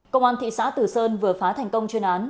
công an thị xã tử sơn vừa phá thành công chuyên án